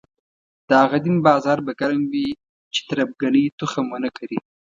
د هغه دین بازار به ګرم وي چې تربګنۍ تخم ونه کري.